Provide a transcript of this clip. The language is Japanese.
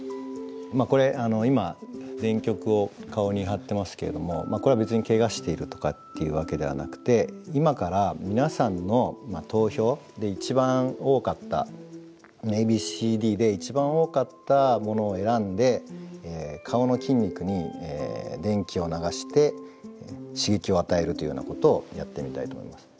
これ今電極を顔に貼ってますけれどもこれは別にケガしているとかっていうわけではなくて今から皆さんの投票で１番多かったＡＢＣＤで１番多かったものを選んで顔の筋肉に電気を流して刺激を与えるというようなことをやってみたいと思います。